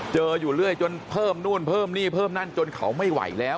อยู่เรื่อยจนเพิ่มนู่นเพิ่มนี่เพิ่มนั่นจนเขาไม่ไหวแล้ว